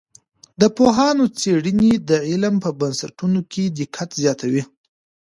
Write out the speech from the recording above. د پوهانو څېړنې د علم په بنسټونو کي دقت زیاتوي.